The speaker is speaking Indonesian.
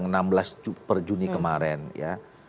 tanggal enam belas per juni kemarin ya